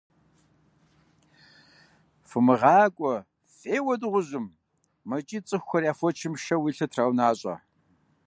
- ФымыгъакӀуэ, феуэ дыгъужьым! - мэкӀий цӀыхухэр, я фочхэм шэуэ илъыр траунащӀэ.